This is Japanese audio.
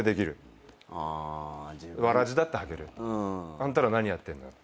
あんたら何やってんの？